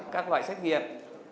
các loại xét nghiệm